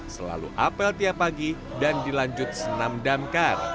selalu apel tiap pagi dan dilanjut senam damkar